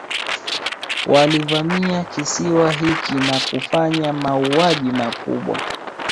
Walivamia kisiwa hiki na kufanya mauaji makubwa